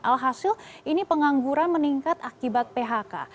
alhasil ini pengangguran meningkat akibat phk